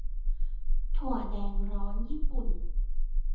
- ถั่วแดงร้อนญี่ปุ่น